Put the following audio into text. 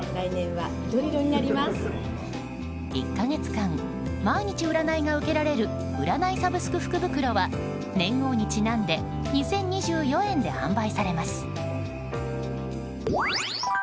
１か月間毎日占いが受けられる占いサブスク福袋は年号にちなんで２０２４円で販売されます。